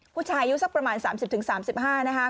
ผู้ชายอายุสักประมาณ๓๐๓๕นะคะ